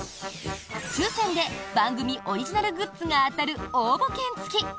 抽選で番組オリジナルグッズが当たる応募券付き。